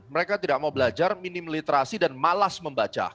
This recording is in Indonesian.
mereka tidak mau belajar minim literasi dan malas membaca